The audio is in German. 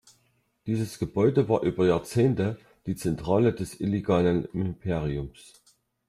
Dieses Gebäude war über Jahrzehnte die Zentrale des illegalen Imperiums.